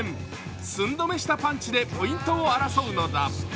寸止めしたパンチでポイントを争うのだ。